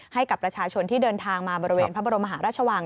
ให้กับประชาชนที่เดินทางมาบริเวณพระบรมหาราชวัง